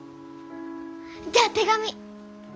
じゃあ手紙！